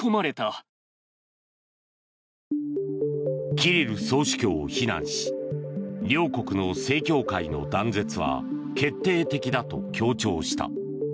キリル総主教を非難し両国の正教会の断絶は決定的だと強調した。